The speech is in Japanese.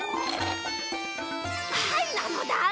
はいなのだ。